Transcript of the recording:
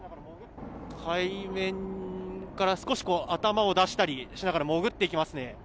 海面から少し頭を出したりしながら潜っていきますね。